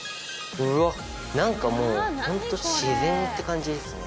うわっなんかもうホント自然って感じですね。